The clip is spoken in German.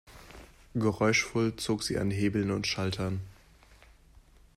Geräuschvoll zog sie an Hebeln und Schaltern.